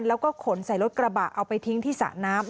แล้วก็ขนใส่รถกระบะเอาไปทิ้งที่สระน้ำ